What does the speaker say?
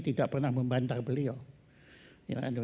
tidak pernah membantah beliau